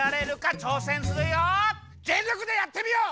ぜんりょくでやってみよう！